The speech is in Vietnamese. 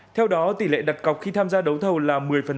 theo đó tỷ lệ đặt cọc khi tham gia đấu thầu là một mươi